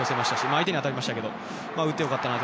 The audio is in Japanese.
相手に当たりましたけど打って良かったなと。